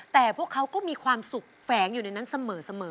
แต่พวกเขาก็มีความสุขแฝงอยู่ในนั้นเสมอ